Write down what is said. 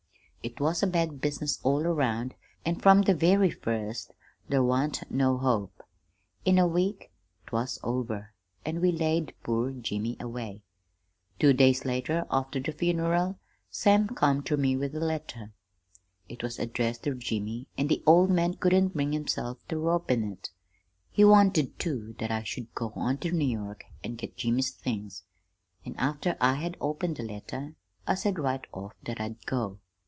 "It was a bad business all around, an' from the very first there wan't no hope. In a week 'twas over, an' we laid poor Jimmy away. Two days after the funeral Sam come ter me with a letter. It was addressed ter Jimmy, an' the old man couldn't bring himself ter open it. He wanted, too, that I should go on ter New York an' get Jimmy's things; an' after I had opened the letter I said right off that I'd go.